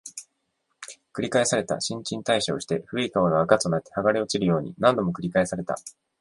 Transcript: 繰り返された、新陳代謝をして、古い皮が垢となって剥がれ落ちるように、何度も繰り返された